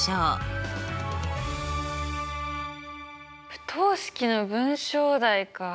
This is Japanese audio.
不等式の文章題かあ。